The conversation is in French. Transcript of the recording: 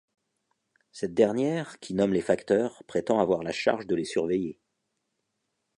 Cette dernière, qui nomme les facteurs, prétend avoir la charge de les surveiller.